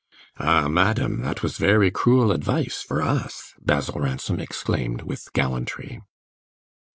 "Ah, madam, that was very cruel advice for us!" Basil Ransom exclaimed, with gallantry.